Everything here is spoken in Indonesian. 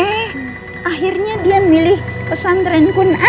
eh akhirnya dia milih pesantren yang bagus dan mahal